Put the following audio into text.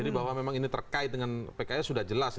jadi bahwa ini memang terkait dengan pki sudah jelas